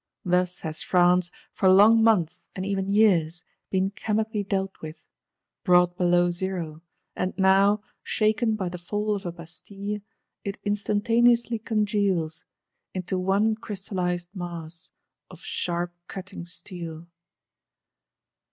Thus has France, for long months and even years, been chemically dealt with; brought below zero; and now, shaken by the Fall of a Bastille, it instantaneously congeals: into one crystallised mass, of sharp cutting steel!